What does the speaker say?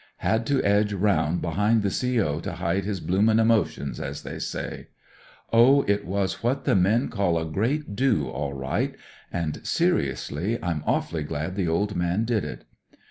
Had to edge round behind the CO. to hide his blooming emotions, as they say. Oh, it was what the men call a great * do ' all right, and seriously I'm a^vfully glad the old man did it.